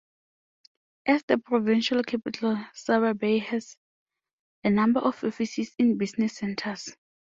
As the provincial capital, Surabaya has a number of offices and business centers.